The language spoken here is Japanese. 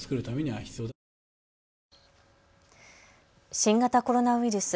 新型コロナウイルス。